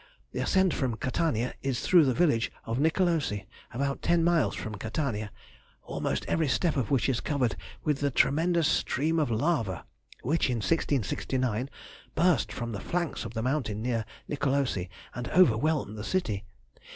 The ascent from Catania is through the village of Nicolosi, about ten miles from Catania, almost every step of which is covered with the tremendous stream of lava which, in 1669, burst from the flanks of the mountain, near Nicolosi, and overwhelmed the city.